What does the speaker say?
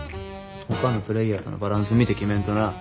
ほかのプレーヤーとのバランス見て決めんとな。